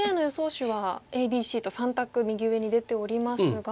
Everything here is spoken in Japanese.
手はＡＢＣと３択右上に出ておりますが。